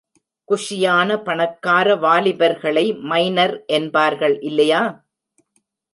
குஷியான பணக்கார வாலிபர்களை மைனர் என்பார்கள் இல்லையா?